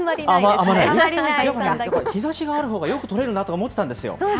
やっぱ、日ざしがあるほうがよく撮れるなと思ってたんですよ。